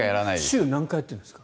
週に何回やってるんですか？